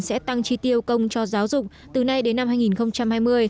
sẽ tăng chi tiêu công cho giáo dục từ nay đến năm hai nghìn hai mươi